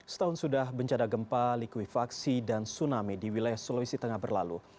setahun sudah bencana gempa likuifaksi dan tsunami di wilayah sulawesi tengah berlalu